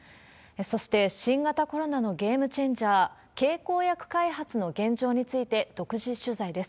そして新型コロナのゲームチェンジャー、経口薬開発の現状について独自取材です。